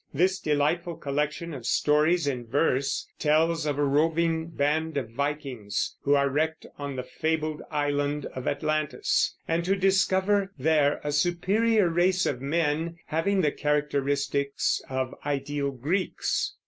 This delightful collection of stories in verse tells of a roving band of Vikings, who are wrecked on the fabled island of Atlantis, and who discover there a superior race of men having the characteristics of ideal Greeks.